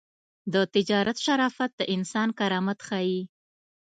د تجارت شرافت د انسان کرامت ښيي.